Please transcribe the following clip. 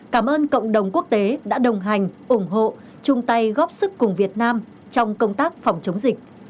cảm ơn cộng đồng quốc tế đã đồng hành ủng hộ chung tay góp sức cùng việt nam trong công tác phòng chống dịch